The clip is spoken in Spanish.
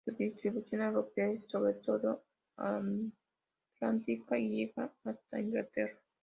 Su distribución europea es sobre todo atlántica, y llega hasta Inglaterra.